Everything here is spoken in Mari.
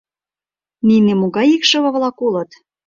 — Нине могай икшыве-влак улыт?